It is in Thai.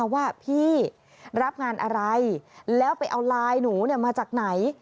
ว่าพี่รับงานอะไรแล้วไปเอาไลน์หนูมาจากไหน